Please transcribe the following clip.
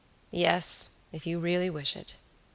"Yes, if you really wish it."